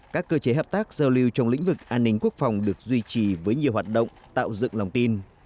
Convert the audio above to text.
các cơ chế hợp tác giao lưu trong lĩnh vực an ninh quốc phòng được duy trì với nhiều hoạt động tạo dựng lòng tin